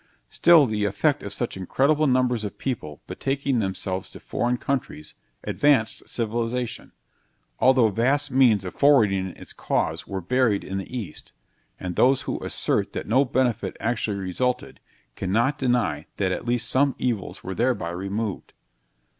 Still, the effect of such incredible numbers of people betaking themselves to foreign countries, advanced civilization, although vast means of forwarding its cause were buried in the East; and those who assert that no benefit actually resulted, cannot deny that at least some evils were thereby removed.